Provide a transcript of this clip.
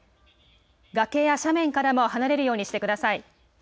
崖や斜面からも離れるようにしてください。